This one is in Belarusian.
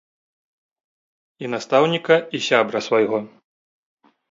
І настаўніка, і сябра свайго.